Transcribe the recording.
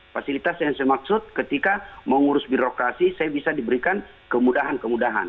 fasilitas yang saya maksud ketika mengurus birokrasi saya bisa diberikan kemudahan kemudahan